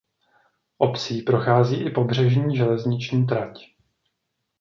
Obcí prochází i pobřežní železniční trať.